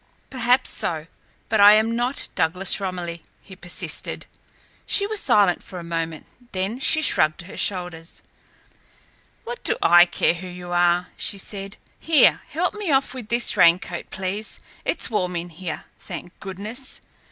"Perhaps so, but I am not Douglas Romilly," he persisted. She was silent for a moment, then she shrugged her shoulders. "What do I care who your are?" she said. "Here, help me off with this raincoat, please. It's warm in here, thank goodness!"